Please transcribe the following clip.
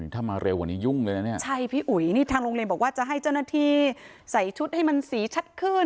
ถ้ามาเร็วกว่านี้ยุ่งเลยนะเนี่ยใช่พี่อุ๋ยนี่ทางโรงเรียนบอกว่าจะให้เจ้าหน้าที่ใส่ชุดให้มันสีชัดขึ้น